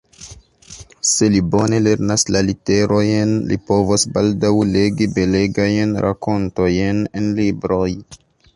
Se li bone lernas la literojn, li povos baldaŭ legi belegajn rakontojn en libroj.